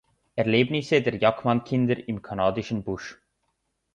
Erlebnisse der Jackman-Kinder im kanadischen Busch